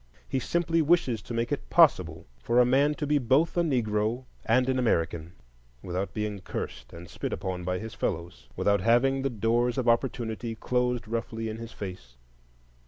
He simply wishes to make it possible for a man to be both a Negro and an American, without being cursed and spit upon by his fellows, without having the doors of Opportunity closed roughly in his face.